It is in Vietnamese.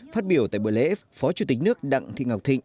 phát biểu tại buổi lễ phó chủ tịch nước đặng thị ngọc thịnh